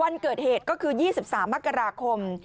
วันเกิดเหตุก็คือ๒๓มกราคม